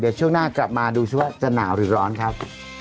เดี๋ยวช่วงหน้ากลับมาดูสิว่าจะหนาวหรือร้อนครับ